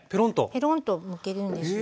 ペロンとむけるんですよ。